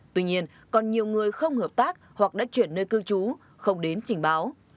tuy nhiên còn nhiều người không hợp tác hoặc đã chuyển nơi cư trú không đến trình báo